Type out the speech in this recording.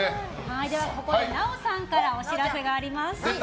ここで奈緒さんからお知らせがあります。